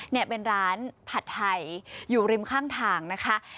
เนี่ยเป็นร้านผัดไทยอยู่ริมข้างทางนะคะ